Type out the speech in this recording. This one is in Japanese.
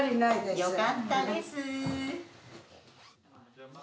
よかったです。